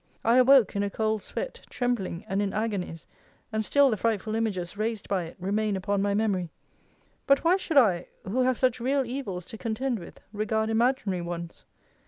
I awoke in a cold sweat, trembling, and in agonies; and still the frightful images raised by it remain upon my memory. But why should I, who have such real evils to contend with, regard imaginary ones?